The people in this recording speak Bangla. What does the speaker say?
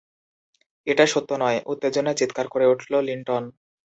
এটা সত্য নয়!' উত্তেজনায় চিৎকার করে উঠল লিনটন।